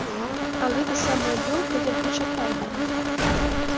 А гэта самая ёлка як бы чакае мяне.